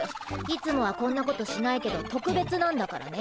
いつもはこんなことしないけどとくべつなんだからね。